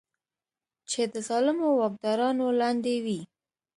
چې د ظالمو واکدارانو لاندې وي.